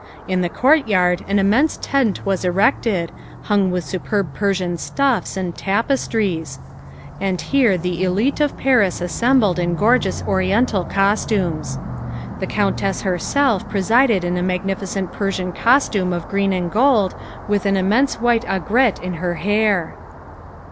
"In the courtyard an immense tent was erected, hung with superb Persian stuffs and tapestries, and here the élite of Paris assembled in gorgeous Oriental costumes. "The countess herself presided in a magnificent Persian costume of green and gold, with an immense white aigrette in her hair."